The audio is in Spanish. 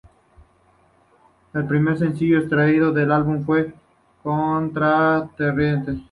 El primer sencillo extraído del álbum fue "Contracorriente".